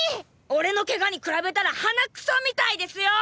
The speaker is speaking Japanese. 俺のけがに比べたらハナクソみたいですよ！